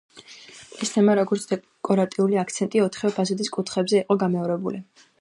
ეს თემა, როგორც დეკორატიული აქცენტი, ოთხივე ფასადის კუთხეებზე იყო გამეორებული.